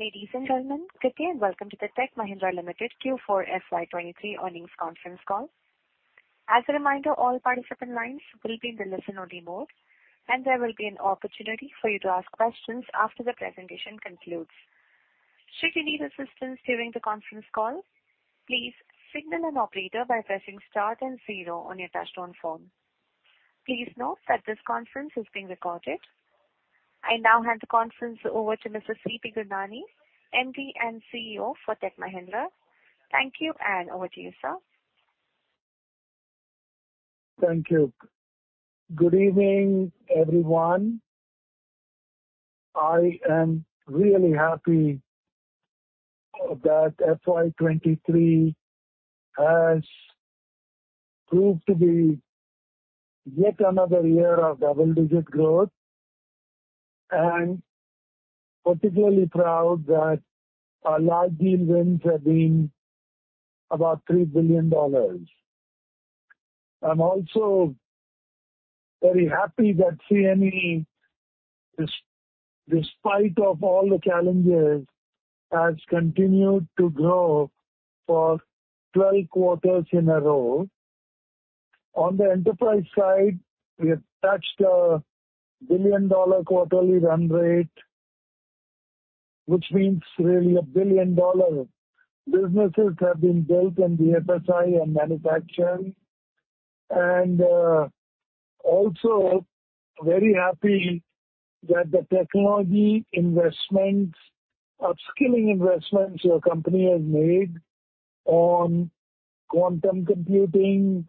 Ladies and gentlemen, good day and welcome to the Tech Mahindra Limited Q4 FY 2023 earnings conference call. As a reminder, all participant lines will be in the listen-only mode, and there will be an opportunity for you to ask questions after the presentation concludes. Should you need assistance during the conference call, please signal an operator by pressing start and zero on your touch-tone phone. Please note that this conference is being recorded. I now hand the conference over to Mr. C.P. Gurnani, Managing Director and Chief Executive Officer for Tech Mahindra. Thank you. Over to you, sir. Thank you. Good evening, everyone. I am really happy that FY 2023 has proved to be yet another year of double-digit growth. Particularly proud that our large deal wins have been about $3 billion. I'm also very happy that CME, despite of all the challenges, has continued to grow for 12 quarters in a row. On the enterprise side, we have touched a billion-dollar quarterly run rate, which means really a billion-dollar businesses have been built in BFSI and manufacturing. Also very happy that the technology investments, upskilling investments your company has made on quantum computing,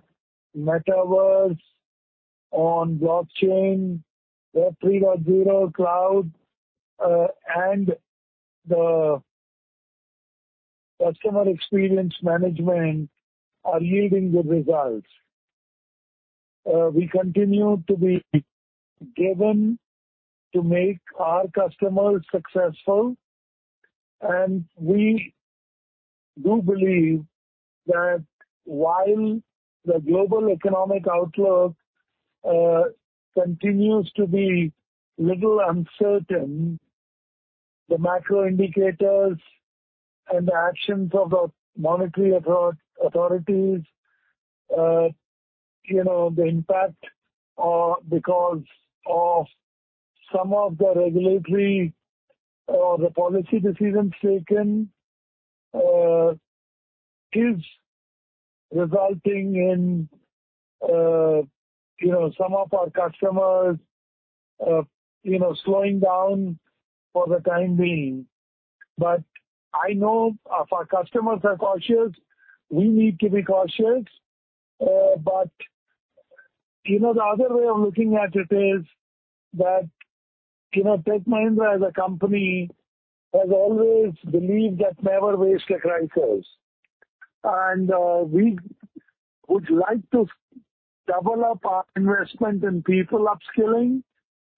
metaverse, on blockchain, Web 3.0 cloud, and the customer experience management are yielding good results. We continue to be driven to make our customers successful, we do believe that while the global economic outlook continues to be little uncertain, the macro indicators and the actions of the monetary authorities, you know, the impact because of some of the regulatory or the policy decisions taken is resulting in, you know, some of our customers, you know, slowing down for the time being. I know if our customers are cautious, we need to be cautious. You know, the other way of looking at it is that, you know, Tech Mahindra as a company has always believed that never waste a crisis. We would like to develop our investment in people upskilling.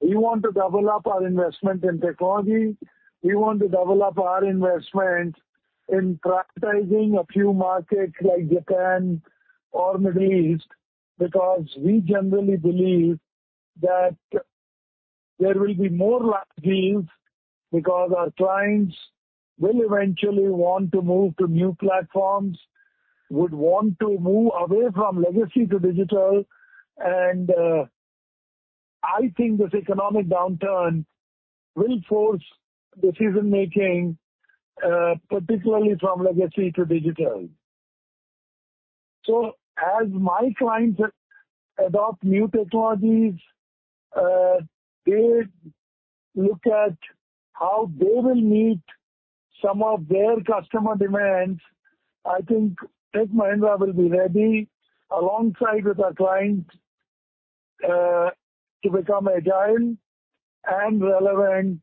We want to develop our investment in technology. We want to develop our investment in prioritizing a few markets like Japan or Middle East, because we generally believe that there will be more large deals because our clients will eventually want to move to new platforms, would want to move away from legacy to digital. I think this economic downturn will force decision-making, particularly from legacy to digital. As my clients adopt new technologies, they look at how they will meet some of their customer demands. I think Tech Mahindra will be ready alongside with our clients, to become agile and relevant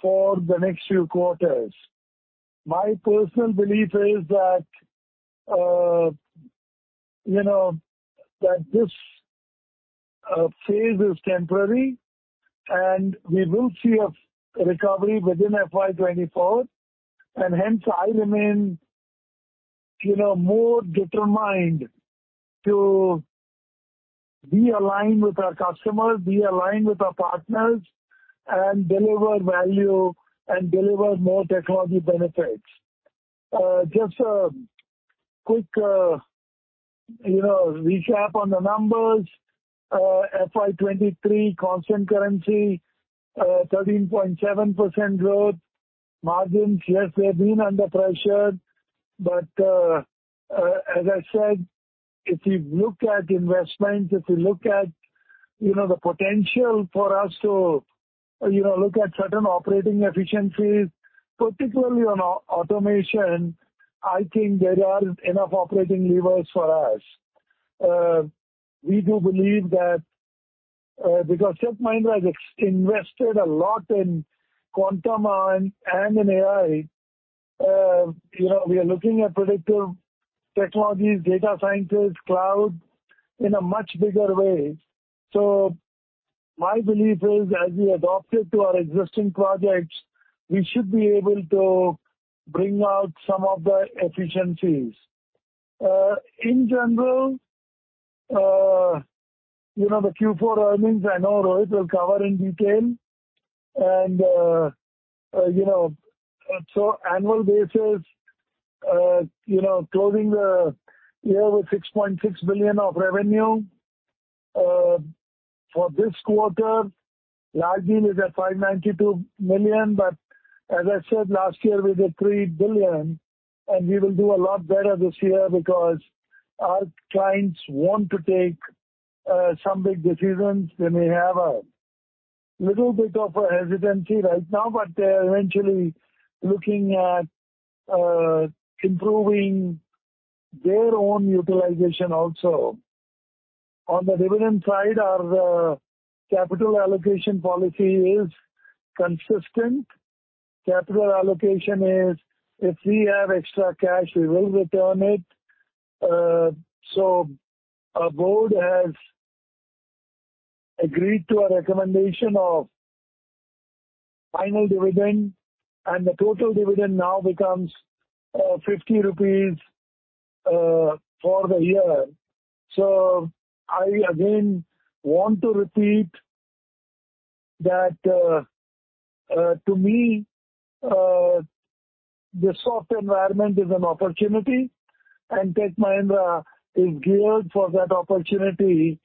for the next few quarters. My personal belief is that, you know, that this phase is temporary and we will see a recovery within FY 2024, and hence I remain, you know, more determined to be aligned with our customers, be aligned with our partners and deliver value and deliver more technology benefits. Just a quick, you know, recap on the numbers. FY 2023 constant currency, 13.7% growth. Margins, yes, they've been under pressure but, as I said, if you look at investments, if you look at, you know, the potential for us to, you know, look at certain operating efficiencies, particularly on automation, I think there are enough operating levers for us. We do believe that, because Tech Mahindra has ex-invested a lot in quantum and in AI, you know, we are looking at predictive technologies, data sciences, cloud in a much bigger way. My belief is, as we adopt it to our existing projects, we should be able to bring out some of the efficiencies. You know, the Q4 earnings I know Rohit will cover in detail. You know, annual basis, you know, closing the year with $6.6 billion of revenue. For this quarter, large deal is at $592 million. As I said last year, we did $3 billion, and we will do a lot better this year because our clients want to take some big decisions. They may have a little bit of a hesitancy right now, but they're eventually looking at improving their own utilization also. On the dividend side, our capital allocation policy is consistent. Capital allocation is if we have extra cash, we will return it. Our board has agreed to a recommendation of final dividend, and the total dividend now becomes 50 rupees for the year. I again want to repeat that to me, the soft environment is an opportunity, and Tech Mahindra is geared for that opportunity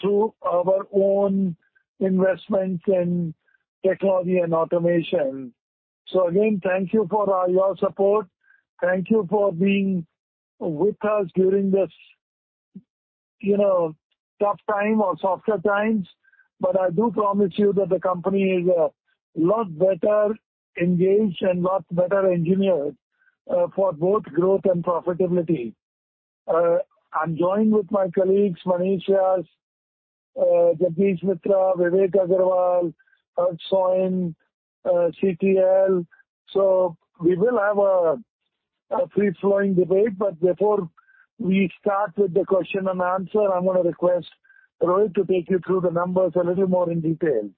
through our own investments in technology and automation. Again, thank you for your support. Thank you for being with us during this, you know, tough time or softer times. I do promise you that the company is a lot better engaged and lot better engineered for both growth and profitability. I'm joined with my colleagues Manish Vyas, Jagdish Mitra, Vivek Agarwal, Harshvendra Soin, CTL. We will have a free-flowing debate. Before we start with the question and answer, I'm gonna request Rohit to take you through the numbers a little more in detail.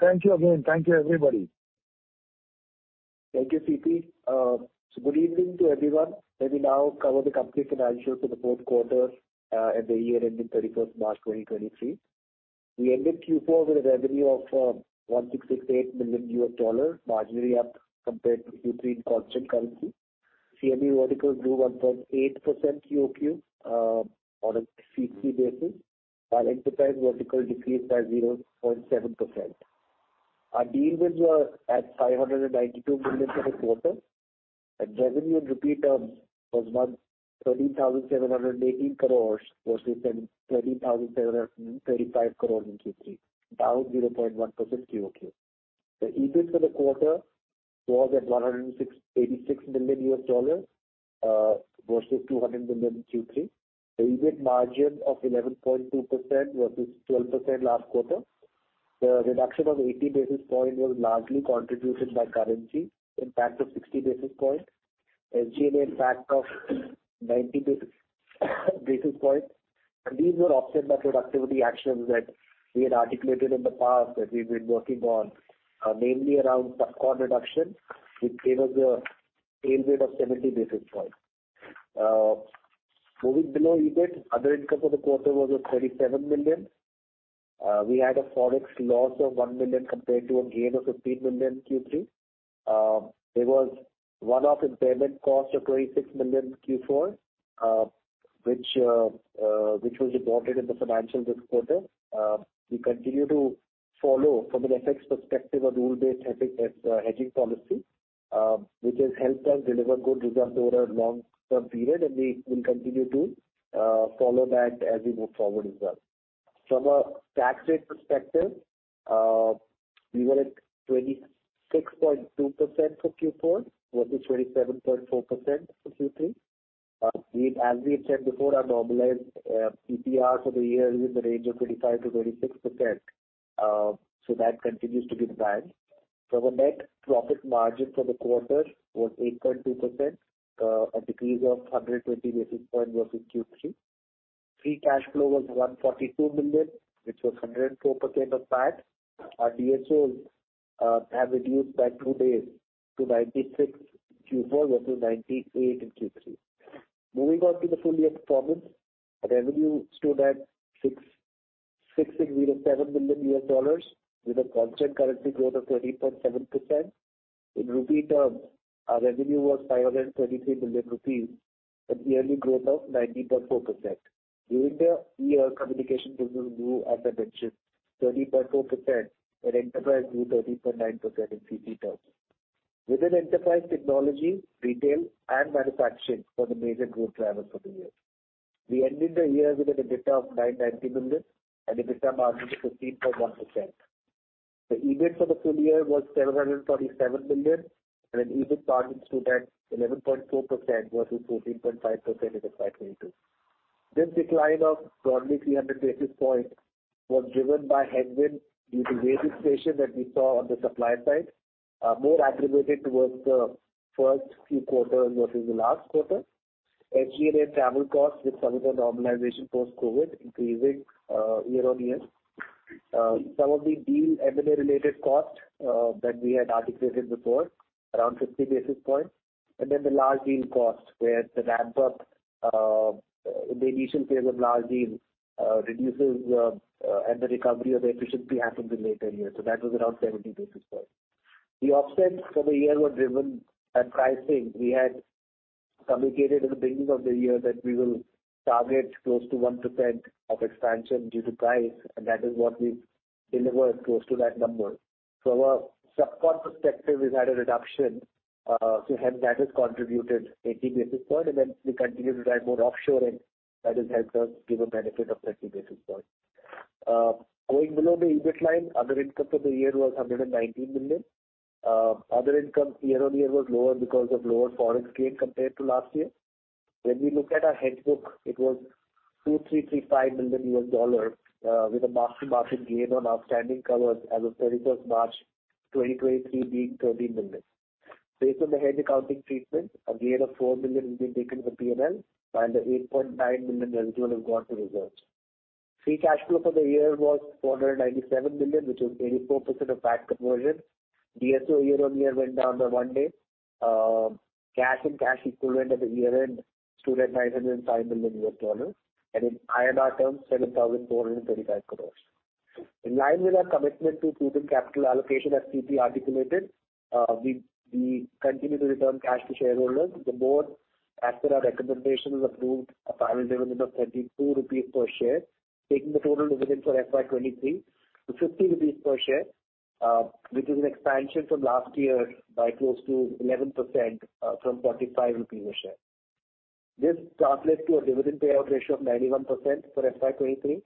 Thank you again. Thank you, everybody. Thank you, C.P. So good evening to everyone. Let me now cover the company's financials for the fourth quarter and the year ending 31st March 2023. We ended Q4 with a revenue of $1,668 million, marginally up compared to Q3 in constant currency. CME vertical grew 1.8% QOQ on a CC basis. Our enterprise vertical decreased by 0.7%. Our deal wins were at $592 million for the quarter. And revenue in rupee terms was about 13,718 crore versus 13,735 crore in Q3, down 0.1% QOQ. The EBIT for the quarter was at $186 million versus $200 million in Q3. The EBIT margin of 11.2% versus 12% last quarter. The reduction of 80 basis point was largely contributed by currency, impact of 60 basis point. SG&A impact of 90 basis point. These were offset by productivity actions that we had articulated in the past that we've been working on, mainly around subcon reduction, which gave us a tailwind of 70 basis point. Moving below EBIT. Other income for the quarter was at 37 million. We had a Forex loss of 1 million compared to a gain of 15 million in Q3. There was one-off impairment cost of 26 million in Q4, which was reported in the financial this quarter. We continue to follow from an FX perspective, a rule-based hedging policy, which has helped us deliver good results over a long term period, and we will continue to follow that as we move forward as well. From a tax rate perspective, we were at 26.2% for Q4 versus 27.4% for Q3. As we have said before, our normalized PPR for the year is in the range of 25%-26%. That continues to be the band. The net profit margin for the quarter was 8.2%. A decrease of 120 basis points versus Q3. Free cash flow was $142 million, which was 104% of PAT. Our DSOs have reduced by two days to 96 in Q4 versus 98 in Q3. Moving on to the full year performance. Our revenue stood at $6,607 million with a constant currency growth of 30.7%. In rupee terms, our revenue was 523 billion rupees, a yearly growth of 90.4%. During the year, communication business grew as I mentioned, 30.4% and enterprise grew 30.9% in CC terms. Within enterprise technology, retail and manufacturing were the major growth drivers for the year. We ended the year with an EBITDA of $990 million and EBITDA margin of 15.1%. The EBIT for the full year was $747 million and an EBIT margin stood at 11.4% versus 14.5% in FY 2022. This decline of broadly 300 basis points was driven by headwind due to wage inflation that we saw on the supply side, more aggravated towards the first few quarters versus the last quarter. SG&A travel costs with some of the normalization post-COVID increasing, year-on-year. Some of the deal M&A related cost that we had articulated before around 50 basis points, and then the large deal cost where the ramp up in the initial phase of large deal reduces, and the recovery or the efficiency happens in later years. That was around 70 basis points. The offsets for the year were driven at pricing. We had communicated in the beginning of the year that we will target close to 1% of expansion due to price, and that is what we've delivered close to that number. Our subcon perspective has had a reduction, so hence that has contributed 80 basis point, and then we continue to drive more offshoring. That has helped us give a benefit of 30 basis points. Going below the EBIT line. Other income for the year was $119 million. Other income year-on-year was lower because of lower foreign gain compared to last year. When we look at our hedge book, it was $2,335 million, with a mark-to-market gain on outstanding covers as of March 31, 2023 being $13 million. Based on the hedge accounting treatment, a gain of $4 million will be taken to the P&L while the $8.9 million residual has gone to reserves. Free cash flow for the year was $497 million, which was 84% of PAT conversion. DSO year-on-year went down by one day. Cash and cash equivalent at the year-end stood at $905 million and in INR terms, 7,435 crore. In line with our commitment to prudent capital allocation as C.P. articulated, we continue to return cash to shareholders. The board, as per our recommendation, has approved a final dividend of 32 rupees per share, taking the total dividend for FY 2023 to 50 rupees per share, which is an expansion from last year by close to 11%, from 45 rupees per share. This translates to a dividend payout ratio of 91% for FY 2023.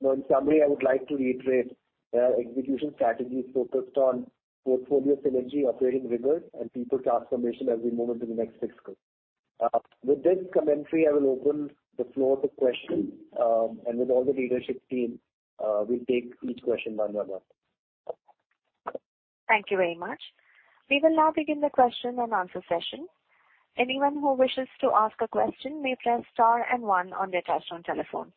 Now in summary, I would like to reiterate our execution strategy is focused on portfolio synergy, operating rigor and people transformation as we move into the next fiscal. With this commentary, I will open the floor to questions. With all the leadership team, we'll take each question one by one. Thank you very much. We will now begin the question and answer session. Anyone who wishes to ask a question may press star and one on their touch-tone telephone.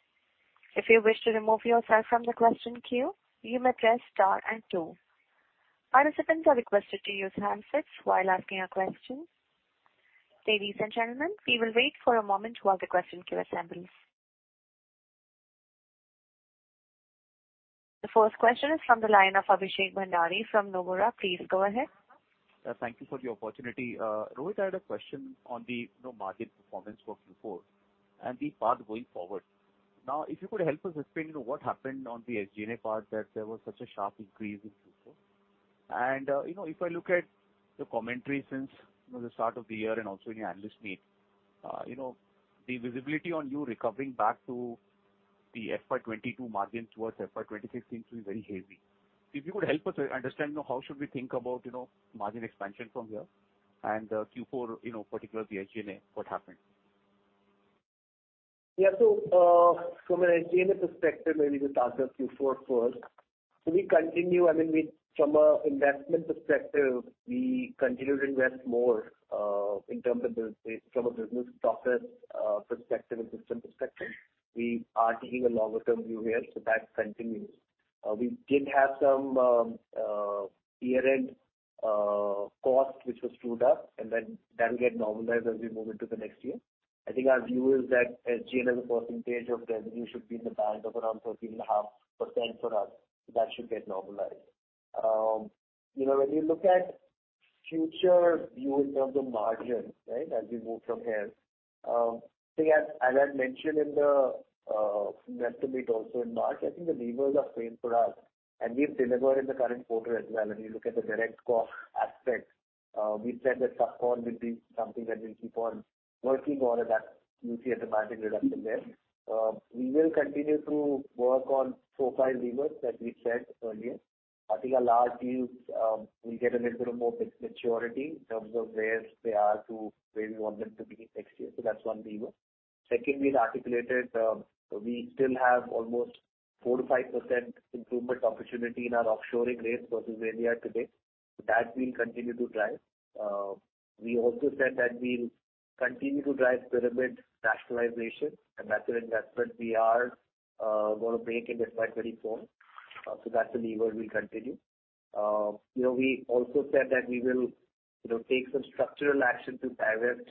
If you wish to remove yourself from the question queue, you may press star and two. Our recipients are requested to use handsets while asking a question. Ladies and gentlemen, we will wait for a moment while the question queue assembles. The first question is from the line of Abhishek Bhandari from Nomura. Please go ahead. Thank you for the opportunity. Rohit, I had a question on the margin performance for Q4 and the path going forward. If you could help us explain what happened on the SG&A path that there was such a sharp increase in Q4. You know, if I look at the commentary since the start of the year and also in your analyst meet, you know, the visibility on you recovering back to the FY 2022 margin towards FY 2026 seems to be very hazy. If you could help us understand how should we think about, you know, margin expansion from here and Q4, you know, particularly the SG&A, what happened? From an SG&A perspective, maybe we'll start with Q4 first. We continue, I mean, from a investment perspective, we continue to invest more in terms of the business process perspective and system perspective. We are taking a longer-term view here. That continues. We did have some year-end cost which was true up and that will get normalized as we move into the next year. I think our view is that SG&A as a percentage of revenue should be in the band of around 13.5% for us. That should get normalized. You know, when you look at future view in terms of margins, right? As we move from here, I think as I mentioned in the investor meet also in March, I think the levers are same for us, and we've delivered in the current quarter as well. When you look at the direct cost aspect, we said that subcon will be something that we'll keep on working on and that you'll see a dramatic reduction there. We will continue to work on profile levers that we said earlier. I think our large deals will get a little bit of more maturity in terms of where they are to where we want them to be next year. That's one lever. Secondly, we've articulated, we still have almost 4%-5% improvement opportunity in our offshoring rates versus where we are today. That we'll continue to drive. We also said that we'll continue to drive pyramid rationalization, and that's an investment we are gonna make in FY 2024. That's a lever we'll continue. You know, we also said that we will, you know, take some structural action to pivot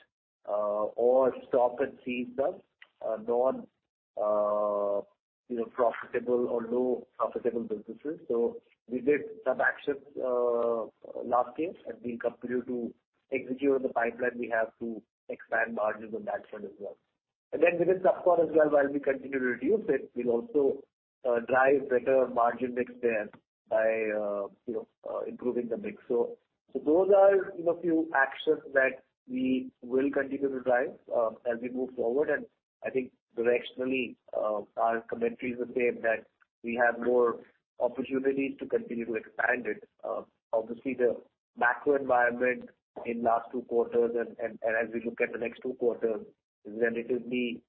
or stop and seize some non, you know, profitable or low profitable businesses. We did some actions last year, and we'll continue to execute on the pipeline we have to expand margins on that front as well. Within subcon as well, while we continue to reduce it, we'll also drive better margin mix there by, you know, improving the mix. Those are, you know, few actions that we will continue to drive as we move forward. I think directionally, our commentary is the same that we have more opportunities to continue to expand it. Obviously, the macro environment in last two quarters as we look at the next two quarters, then it will be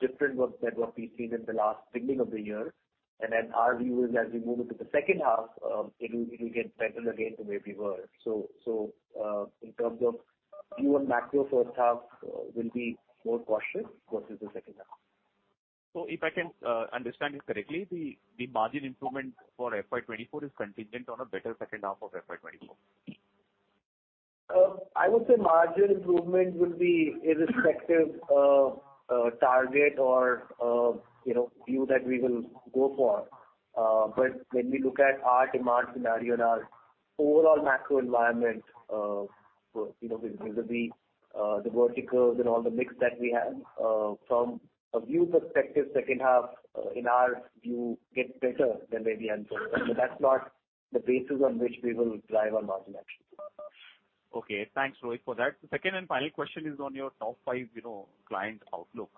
different work that what we've seen in the last beginning of the year. Our view is as we move into the second half, it will get better again to where we were. In terms of your macro first half will be more cautious versus the second half. If I can understand you correctly, the margin improvement for FY 2024 is contingent on a better second half of FY 2024? I would say margin improvement will be irrespective of target or, you know, view that we will go for. When we look at our demand scenario and our overall macro environment, you know, vis-a-vis, the verticals and all the mix that we have, from a view perspective, second half, in our view, gets better than maybe until. That's not the basis on which we will drive our margin action. Okay. Thanks, Rohit, for that. The second and final question is on your top five, you know, client outlook.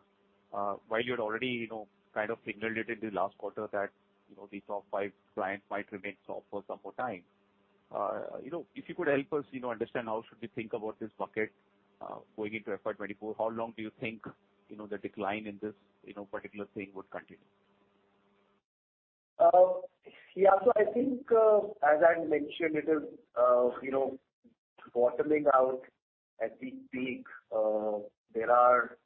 While you had already, you know, kind of signaled it in the last quarter that, you know, the top five clients might remain soft for some more time. You know, if you could help us, you know, understand how should we think about this bucket going into FY 2024. How long do you think, you know, the decline in this, you know, particular thing would continue? Yeah. I think, as I mentioned, it is, you know, bottoming out at peak peak. There are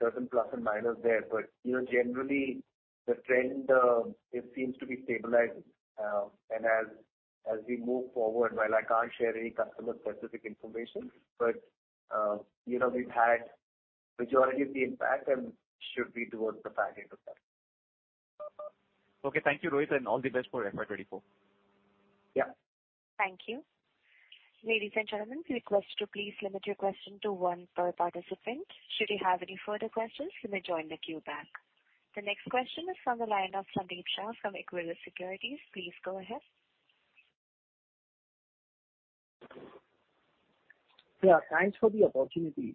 certain plus and minus there. You know, generally the trend, it seems to be stabilizing. As, as we move forward, while I can't share any customer-specific information, but, you know, we've had majority of the impact and should be towards the back end of that. Okay, thank you, Rohit, and all the best for FY 2024. Yeah. Thank you. Ladies and gentlemen, request to please limit your question to one per participant. Should you have any further questions, you may join the queue back. The next question is from the line of Sandeep Shah from Equirus Securities. Please go ahead. Yeah, thanks for the opportunity.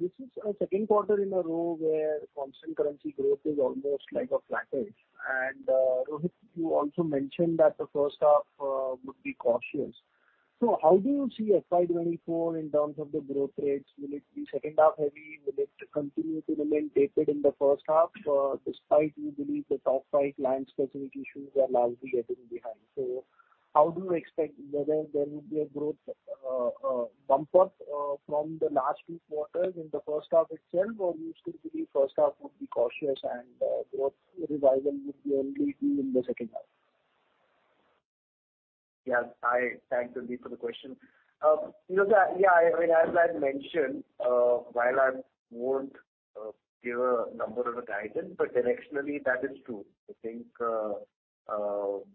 This is our second quarter in a row where constant currency growth is almost like a plateau. Rohit, you also mentioned that the first half would be cautious. How do you see FY 2024 in terms of the growth rates? Will it be second half heavy? Will it continue to remain tapered in the first half, despite you believe the top five client-specific issues are largely getting behind? How do you expect whether there will be a growth bump up from the last two quarters in the first half itself, or you still believe first half would be cautious and growth revival would be only in the second half? Yeah. Hi. Thanks, Sandeep, for the question. You know, yeah, as I mentioned, while I won't give a number of a guidance, but directionally that is true. I think the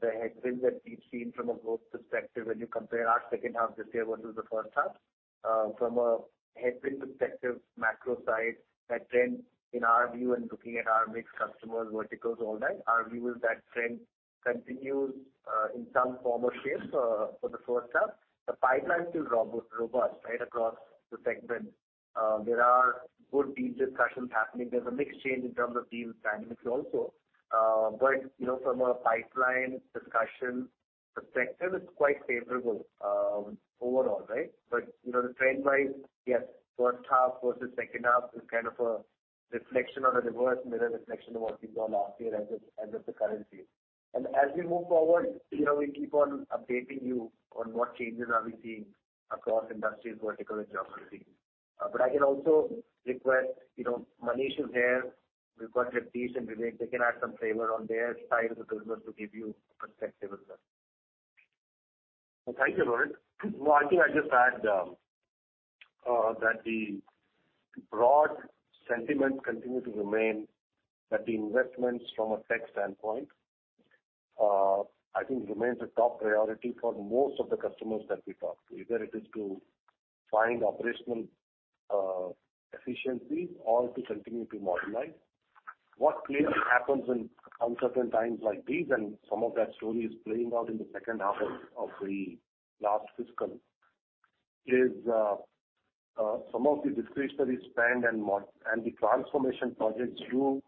headwinds that we've seen from a growth perspective when you compare our second half this year versus the first half. From a headwind perspective, macro side, that trend in our view and looking at our mixed customers, verticals, all that, our view is that trend continues in some form or shape for the first half. The pipeline is still robust right across the segment. There are good deal discussions happening. There's a mix change in terms of deal dynamics also. You know, from a pipeline discussion perspective, it's quite favorable overall, right? You know, the trend-wise, yes, first half versus second half is kind of a reflection or a reverse mirror reflection of what we saw last year as of the current year. As we move forward, you know, we keep on updating you on what changes are we seeing across industries, verticals, geography. I can also request, you know, Manish is here. We've got Harsh and Vivek. They can add some flavor on their side of the business to give you perspective as well. Thank you, Rohit. Well, I think I'll just add that the broad sentiment continue to remain, that the investments from a tech standpoint, I think remains a top priority for most of the customers that we talk to. Either it is to find operational efficiency or to continue to modernize. What clearly happens in uncertain times like these, and some of that story is playing out in the second half of the last fiscal, is some of the discretionary spend and the transformation projects do,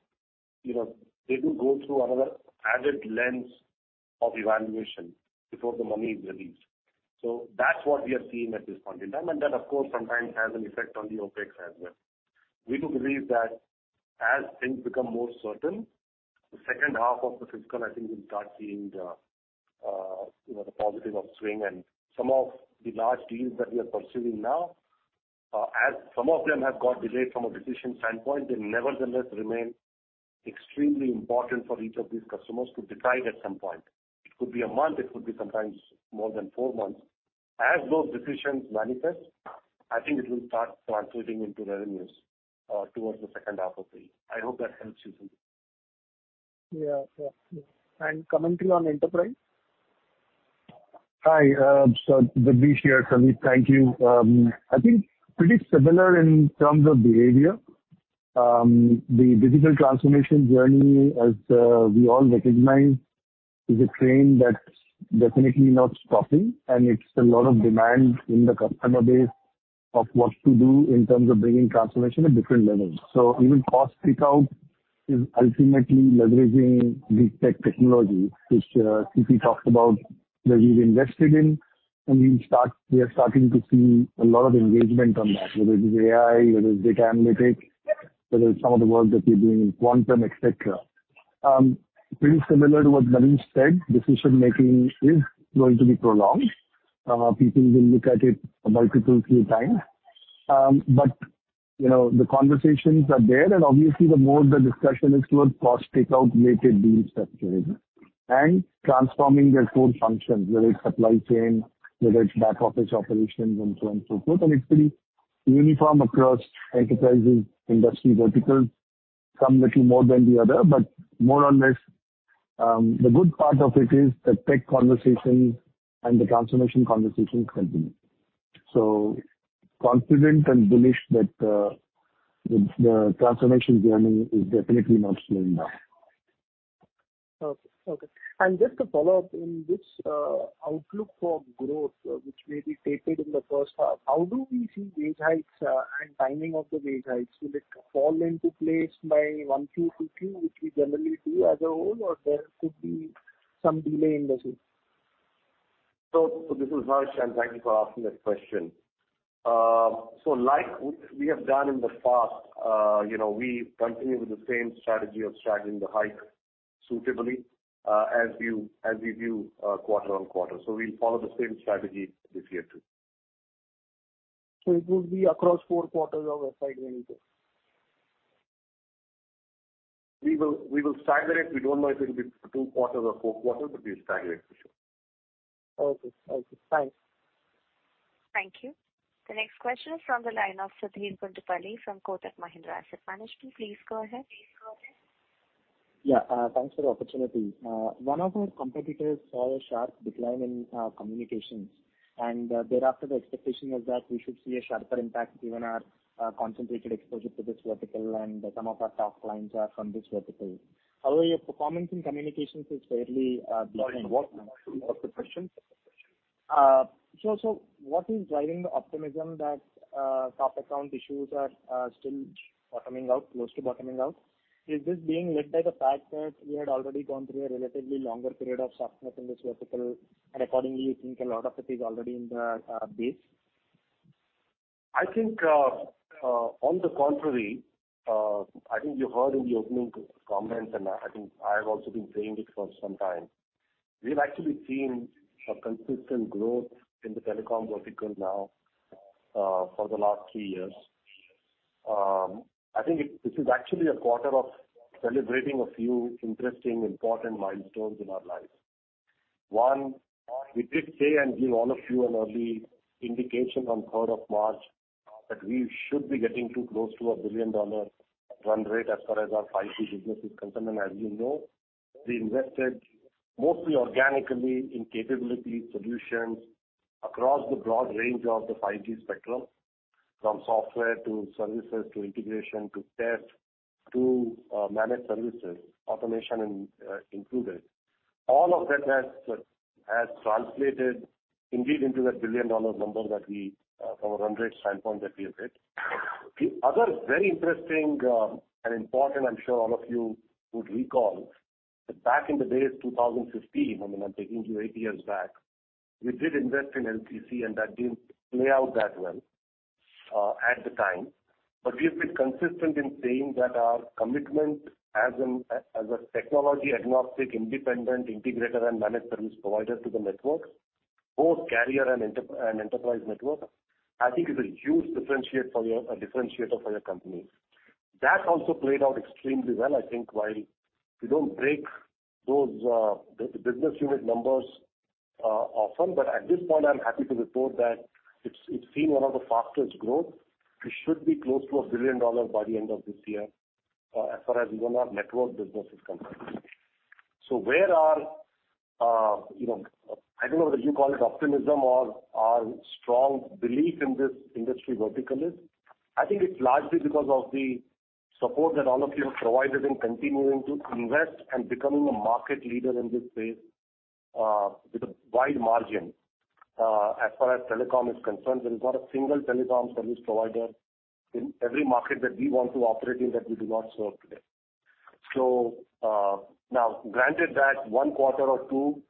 you know, they do go through another added lens of evaluation before the money is released. That's what we are seeing at this point in time. That of course, sometimes has an effect on the OpEx as well. We do believe that as things become more certain, the second half of the fiscal, I think we'll start seeing the, you know, the positive upswing and some of the large deals that we are pursuing now, as some of them have got delayed from a decision standpoint, they nevertheless remain extremely important for each of these customers to decide at some point. It could be a month, it could be sometimes more than four months. As those decisions manifest, I think it will start translating into revenues, towards the second half of the year. I hope that helps you, Sandeep. Yeah. Commentary on enterprise? Hi. Jagdish here. Sandeep, thank you. I think pretty similar in terms of behavior. The digital transformation journey, as we all recognize, is a train that's definitely not stopping, and it's a lot of demand in the customer base of what to do in terms of bringing transformation at different levels. Even cost takeout is ultimately leveraging these tech technologies which C.P. talked about, that we've invested in and we are starting to see a lot of engagement on that, whether it is AI, whether it's data analytics. Whether it's some of the work that we're doing in quantum, etc.. Pretty similar to what Manish said, decision-making is going to be prolonged. People will look at it a multiple few times. You know, the conversations are there, and obviously the more the discussion is towards cost take-out related deal structuring. Transforming their core functions, whether it's supply chain, whether it's back office operations and so on and so forth. It's pretty uniform across enterprises, industry verticals. Some little more than the other, but more or less, the good part of it is the tech conversation and the transformation conversation continues. Confident and bullish that the transformation journey is definitely not slowing down. Okay. Okay. Just to follow up, in this, outlook for growth, which may be tapered in the first half, how do we see wage hikes, and timing of the wage hikes? Will it fall into place by 1Q to 2Q, which we generally do as a whole or there could be some delay in the same? This is Harsh, and thank you for asking that question. Like we have done in the past, you know, we continue with the same strategy of straddling the hike suitably, as we view, quarter on quarter. We'll follow the same strategy this year too. It will be across four quarters or a five going forward. We will stagger it. We don't know if it'll be two quarters or four quarters. We'll stagger it for sure. Okay. Okay. Thanks. Thank you. The next question is from the line of Sudheer Guntupalli from Kotak Mahindra Asset Management. Please go ahead. Thanks for the opportunity. One of our competitors saw a sharp decline in communications. Thereafter, the expectation is that we should see a sharper impact given our concentrated exposure to this vertical and some of our top clients are from this vertical. However, your performance in communications is fairly decent. Sorry, what? What's the question? What is driving the optimism that top account issues are still bottoming out, close to bottoming out? Is this being led by the fact that we had already gone through a relatively longer period of softness in this vertical and accordingly you think a lot of it is already in the base? I think, on the contrary, I think you heard in the opening comments. I think I've also been saying it for some time. We've actually seen a consistent growth in the telecom vertical now, for the last three years. I think, this is actually a quarter of celebrating a few interesting important milestones in our lives. One, we did say and give all of you an early indication on 3rd of March that we should be getting to close to a billion-dollar run rate as far as our 5G business is concerned. As you know, we invested mostly organically in capability solutions across the broad range of the 5G spectrum, from software to services, to integration, to test, to managed services, automation included. All of that has translated indeed into that billion-dollar number that we from a run rate standpoint that we have hit. The other very interesting and important I'm sure all of you would recall, that back in the days, 2015, I mean, I'm taking you 8 years back. We did invest in LPC and that didn't play out that well at the time. We have been consistent in saying that our commitment as a technology agnostic, independent integrator and managed service provider to the networks, both carrier and enterprise networks, I think is a huge differentiator for your company. That also played out extremely well. I think while we don't break those business unit numbers often, but at this point I'm happy to report that it's seen one of the fastest growth. We should be close to $1 billion by the end of this year, as far as even our network business is concerned. Where our, you know, I don't know whether you call it optimism or our strong belief in this industry vertical is, I think it's largely because of the support that all of you have provided in continuing to invest and becoming a market leader in this space, with a wide margin. As far as telecom is concerned, there is not a single telecom service provider in every market that we want to operate in that we do not serve today. Now granted that one quarter or two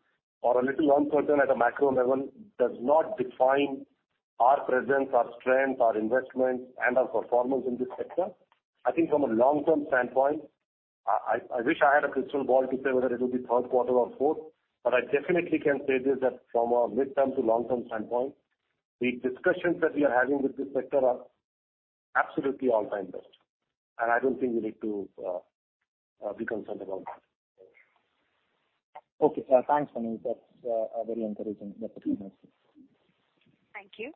or a little uncertainty at a macro level does not define our presence, our strength, our investments, and our performance in this sector. I think from a long-term standpoint, I wish I had a crystal ball to say whether it'll be third quarter or fourth, but I definitely can say this that from a midterm to long-term standpoint, the discussions that we are having with this sector are absolutely all-time best. I don't think we need to be concerned about that. Okay. Thanks, Manish. That's a very encouraging set of answers. Thank you.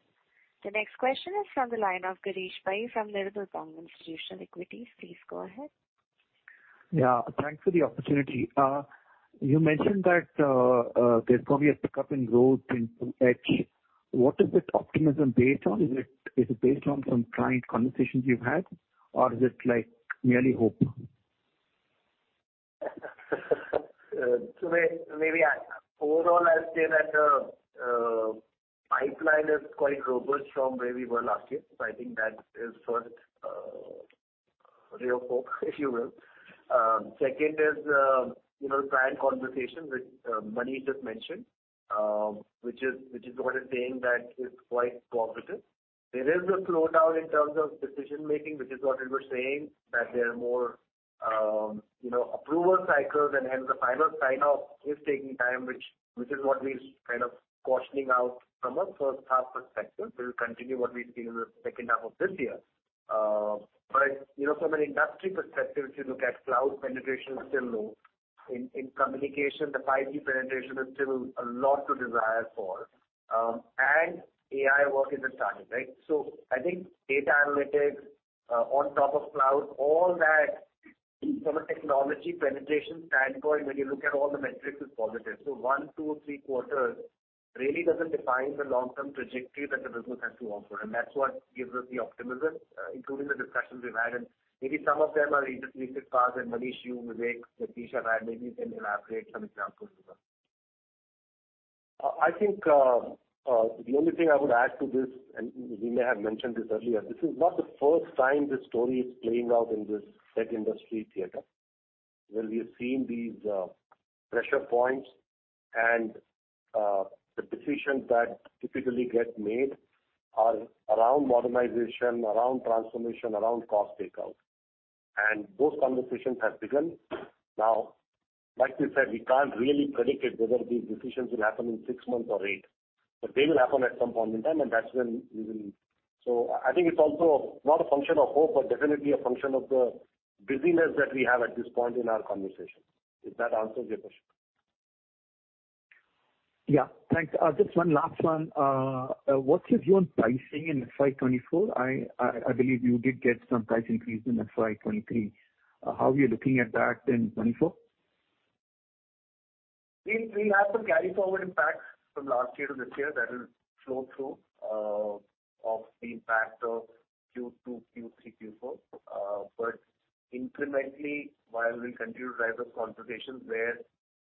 The next question is from the line of Girish Pai from Nirmal Bang Institutional Equities. Please go ahead. Yeah. Thanks for the opportunity. You mentioned that, there's probably a pickup in growth in Edge. What is this optimism based on? Is it based on some client conversations you've had, or is it like merely hope? Overall, I'd say that pipeline is quite robust from where we were last year. I think that is sort, ray of hope, if you will. Second is, you know, client conversations which Manish just mentioned, which is what is saying that it's quite positive. There is a slowdown in terms of decision-making, which is what you were saying, that there are more, you know, approval cycles and hence the final sign-off is taking time, which is what we kind of cautioning out from a first half perspective. We'll continue what we've seen in the second half of this year. You know, from an industry perspective, if you look at cloud penetration is still low. In communication, the 5G penetration is still a lot to desire for. AI work is a target, right? I think data analytics on top of cloud, all that from a technology penetration standpoint, when you look at all the metrics, is positive. One, two, or three quarters really doesn't define the long-term trajectory that the business has to offer. That's what gives us the optimism, including the discussions we've had. Maybe some of them are interested parties, and Manish, you, Vivek, Satish have had, maybe you can elaborate some examples as well. I think the only thing I would add to this, and we may have mentioned this earlier, this is not the first time this story is playing out in this tech industry theater, where we have seen these pressure points and the decisions that typically get made are around modernization, around transformation, around cost takeout. Those conversations have begun. Now, like we said, we can't really predict whether these decisions will happen in six months or eight, but they will happen at some point in time, and that's when we will. I think it's also not a function of hope, but definitely a function of the busyness that we have at this point in our conversation. If that answers your question. Thanks. Just one last one. What's your view on pricing in FY 2024? I believe you did get some price increase in FY 2023. How are you looking at that in 24? We have some carry forward impact from last year to this year that will flow through of the impact of Q2, Q3, Q4. Incrementally, while we continue to drive those conversations, where are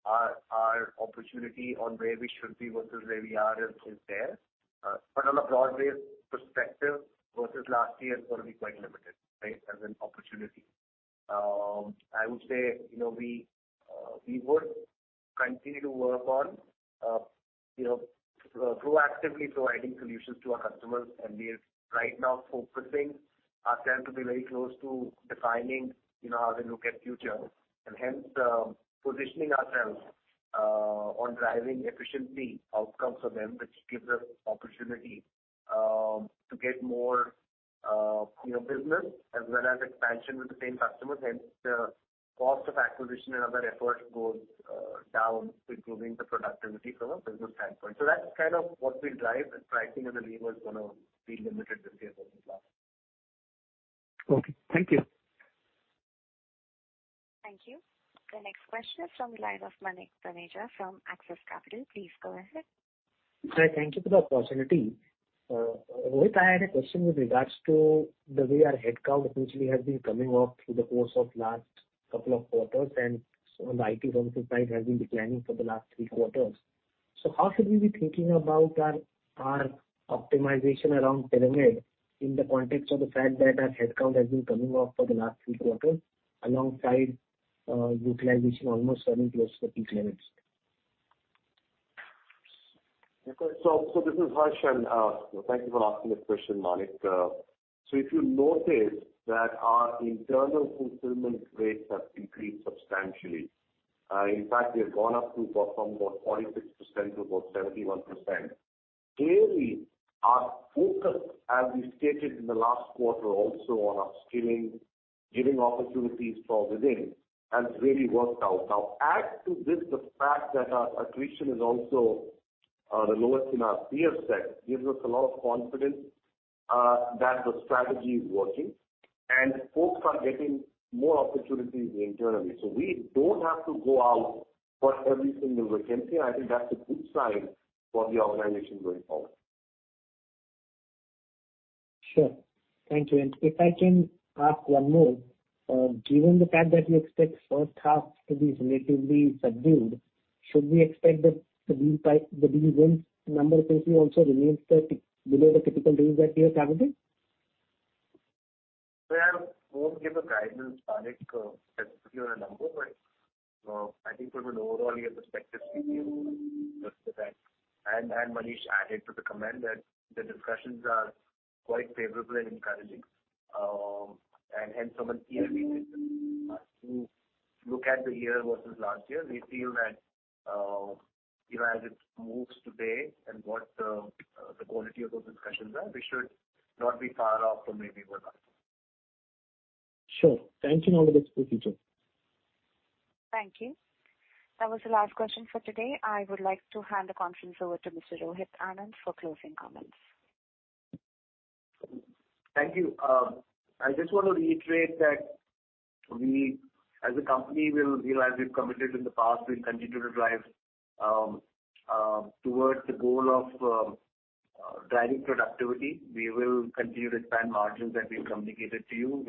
our opportunity on where we should be versus where we are is there. On a broad-based perspective versus last year is gonna be quite limited, right, as an opportunity. I would say, you know, we would continue to work on, you know, proactively providing solutions to our customers. We are right now focusing ourselves to be very close to defining, you know, how they look at future. Hence, positioning ourselves on driving efficiency outcomes for them, which gives us opportunity to get more, you know, business as well as expansion with the same customers. Hence, the cost of acquisition and other effort goes down, improving the productivity from a business standpoint. That's kind of what we drive. Pricing as a lever is gonna be limited this year versus last. Okay. Thank you. Thank you. The next question is from the line of Manik Taneja from Axis Capital. Please go ahead. Thank you for the opportunity. Rohit, I had a question with regards to the way our headcount usually has been coming off through the course of last two quarters, and on the IT consulting side has been declining for the last three quarters. How should we be thinking about our optimization around fulfillment in the context of the fact that our headcount has been coming off for the last three quarters alongside utilization almost running close to peak limits? Okay. This is Harsh, and thank you for asking this question, Manik. In fact, we have gone up to from about 46% to about 71%. Clearly, our focus, as we stated in the last quarter also on upskilling, giving opportunities for within, has really worked out. Now, add to this the fact that our attrition is also the lowest in our peer set, gives us a lot of confidence that the strategy is working and folks are getting more opportunities internally. We don't have to go out for every single vacancy. I think that's a good sign for the organization going forward. Sure. Thank you. If I can ask one more. Given the fact that you expect first half to be relatively subdued, should we expect the deal wins number potentially also remains below the typical deals that you are targeting? I won't give a guidance, Manik, specifically on a number, but I think from an overall year perspective, we feel just the fact. Manish added to the comment that the discussions are quite favorable and encouraging. From a year view to look at the year versus last year, we feel that, you know, as it moves today and what the quality of those discussions are, we should not be far off from where we were last year. Sure. Thank you. Now with this for future. Thank you. That was the last question for today. I would like to hand the conference over to Mr. Rohit Anand for closing comments. Thank you. I just want to reiterate that we as a company will, you know, as we've committed in the past, we'll continue to drive towards the goal of driving productivity. We will continue to expand margins as we've communicated to you.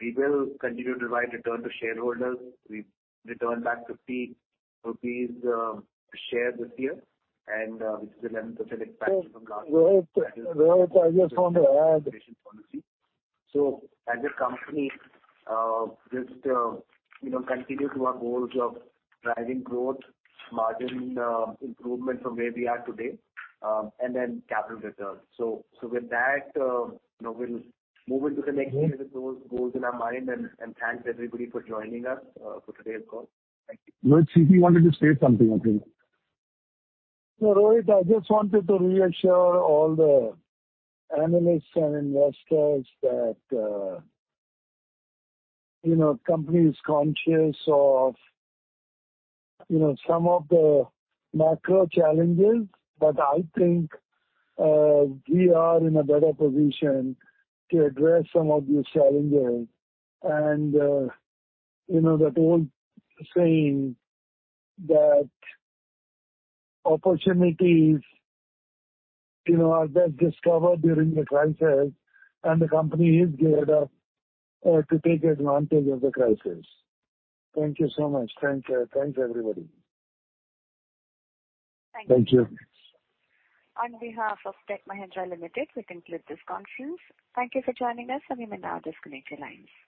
We will continue to drive return to shareholders. We returned back 50 rupees share this year and which is 11% impact from last year. Rohit, I just want to. Policy. As a company, just, you know, continue to our goals of driving growth, margin, improvement from where we are today, capital returns. With that, you know, we'll move into the next year with those goals in our mind and thanks everybody for joining us for today's call. Thank you. Rohit, C.P. wanted to say something, I think. No, Rohit, I just wanted to reassure all the analysts and investors that, you know, company is conscious of, you know, some of the macro challenges, but I think, we are in a better position to address some of these challenges. You know that old saying that opportunities, you know, are best discovered during the crisis and the company is geared up, to take advantage of the crisis. Thank you so much. Thanks, thanks, everybody. Thank you. Thank you. On behalf of Tech Mahindra Limited, we conclude this conference. Thank you for joining us, and you may now disconnect your lines.